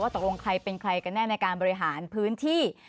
ตกลงใครเป็นใครกันแน่ในการบริหารพื้นที่